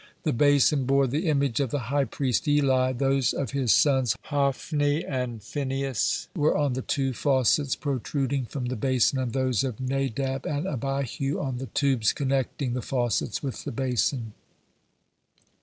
The basin bore the image of the high priest Eli; those of his sons Hophni and Phinehas were on the two faucets protruding from the basin, and those of Nadab and Abihu on the tubes connection the faucets with the basin.